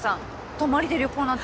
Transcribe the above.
泊まりで旅行なんて。